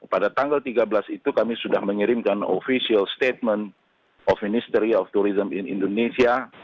pada tanggal tiga belas itu kami sudah mengirimkan official statement of ministery of tourism in indonesia